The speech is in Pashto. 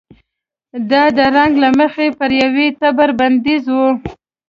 دا د رنګ له مخې پر یوه ټبر بندیز و.